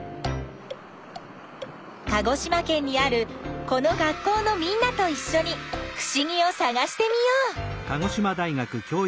鹿児島県にあるこの学校のみんなといっしょにふしぎをさがしてみよう！